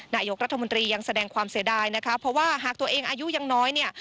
นายกรัฐมนตรียังแสดงความเสียดายนะคะเพราะว่าหากตัวเองอายุยังน้อยเนี่ย